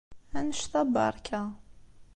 Anect-a beṛka.